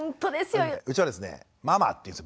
うちはですね「ママ」って言うんです